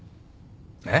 えっ？